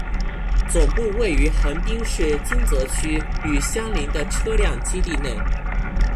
总部位于横滨市金泽区与相邻的车辆基地内。